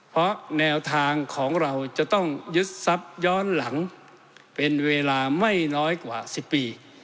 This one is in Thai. เพราะแนวทางของเราจะต้องยึดทรัพย์ย้อนหลังเป็นเวลาไม่น้อยกว่า๑๐ปี